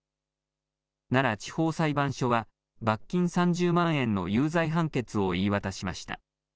奈良地方裁判所は、罰金３０万円の有罪判決を言い渡しました。